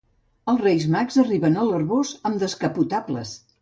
Els Reis Mags arriben a l'arboç amb descapotables.